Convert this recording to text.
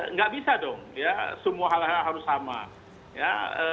nggak bisa dong ya semua hal hal harus sama ya